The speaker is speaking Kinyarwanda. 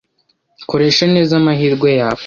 Koresha neza amahirwe yawe.